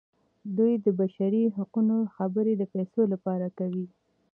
دوی د بشري حقونو خبرې د پیسو لپاره کوي.